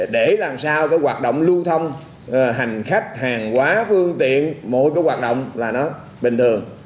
để làm sao cái hoạt động lưu thông hành khách hàng quá phương tiện mỗi cái hoạt động là nó bình thường